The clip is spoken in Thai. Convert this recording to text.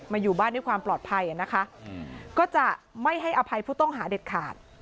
อยู่บ้านด้วยความปลอดภัยนะคะก็จะไม่ให้อภัยผู้ต้องหาเด็ดขาด